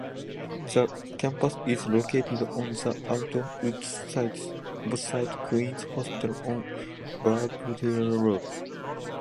The campus is located on the Outwoods site, opposite Queens Hospital on Belvedere Road.